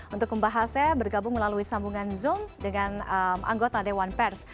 untuk pembahasnya bergabung melalui sambungan zoom dengan anggota dewan pers